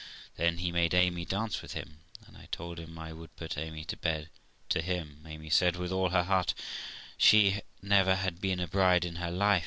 Then he made Amy dance with him, and I told I would put Amy to bed to him. Amy said, with all her heart ; she never had been a bride in her life.